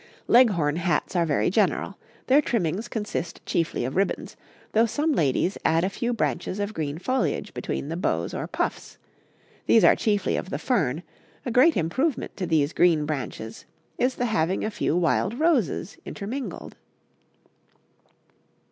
Leghorn hats are very general; their trimmings consist chiefly of ribbons, though some ladies add a few branches of green foliage between the bows or puffs: these are chiefly of the fern; a great improvement to these green branches is the having a few wild roses intermingled.